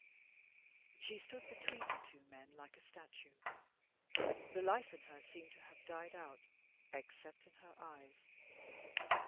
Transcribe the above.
She stood between the two men like a statue. The life in her seemed to have died out, except in her eyes.